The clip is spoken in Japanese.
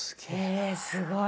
えすごい。